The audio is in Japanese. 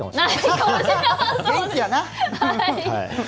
元気やな。